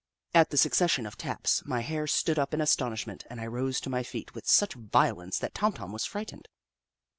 At the succession of taps, my hair stood up in astonishment and I rose to my feet with such violence that Tom Tom was frightened.